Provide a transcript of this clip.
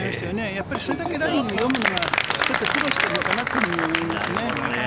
やっぱりそれだけラインを読むのがちょっと苦労しているのかなって思いますね。